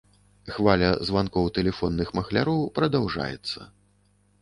Хваля званкоў тэлефонных махляроў прадаўжаецца.